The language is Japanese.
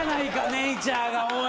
ネイチャーがおい。